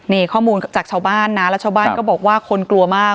นี่ข้อมูลจากชาวบ้านนะแล้วชาวบ้านก็บอกว่าคนกลัวมาก